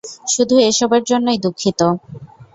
শুধু এসবের জন্যই দুঃখিত।